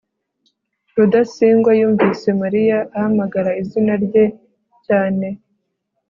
rudasingwa yumvise mariya ahamagara izina rye cyane